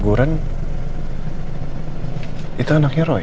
bukan sama roy